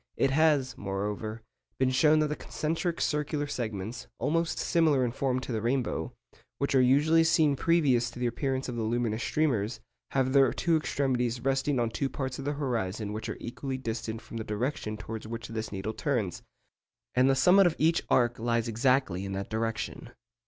It has, moreover, been shown that the concentric circular segments, almost similar in form to the rainbow, which are usually seen previous to the appearance of the luminous streamers, have their two extremities resting on two parts of the horizon which are equally distant from the direction towards which the needle turns; and the summit of each arc lies exactly in that direction.